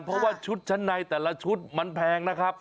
เพราะว่าชุดชั้นในแต่ละชุดมันแพงนะครับ